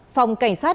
phòng cảnh sát